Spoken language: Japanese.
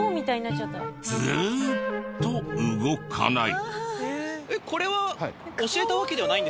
ずーっと動かない。